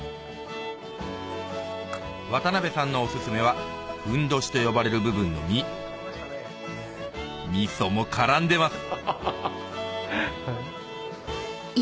渡部さんのお薦めはふんどしと呼ばれる部分の身ミソも絡んでます